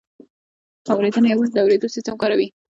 اورېدنه یوازې د اورېدو سیستم کاروي